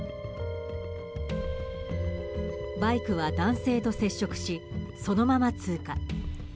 バイクは男性と接触しそのまま通過。